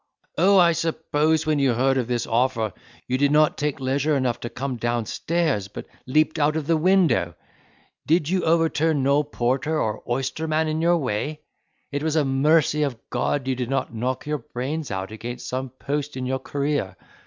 "Oh! I suppose, when you heard of this offer, you did not take leisure enough to come downstairs, but leaped out of the window: did you overturn no porter nor oyster woman in your way? It was a mercy of God you did not knock your brains out against some post in your career.